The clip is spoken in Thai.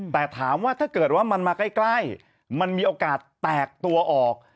แต่ถามว่าถ้าเกิดว่ามันมาใกล้มันมีโอกาสแตกตัวออก